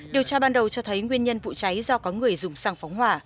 điều tra ban đầu cho thấy nguyên nhân vụ cháy do có người dùng sang phóng hỏa